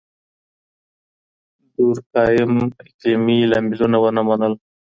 دورکهايم اقليمي لاملونه و نه منل.